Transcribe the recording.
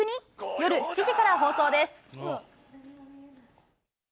夜７時から放送です。